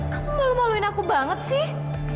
kamu malu maluin aku banget sih